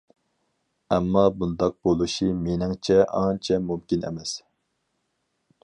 ئەمما بۇنداق بولۇشى مېنىڭچە ئانچە مۇمكىن ئەمەس.